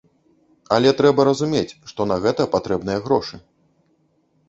Але трэба разумець, што на гэта патрэбныя грошы.